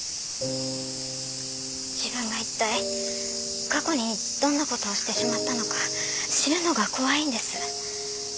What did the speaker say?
自分がいったい過去にどんなことをしてしまったのか知るのが怖いんです。